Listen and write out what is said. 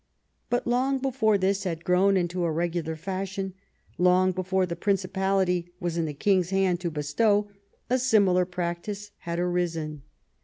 But long before this had grown into a regular fashion, long before the Principality Avas in the king's hands to bestow, a similar practice had arisen.